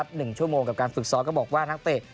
หนึ่งชั่วโมงกับการฝึกซ้อมก็บอกว่านักเตะ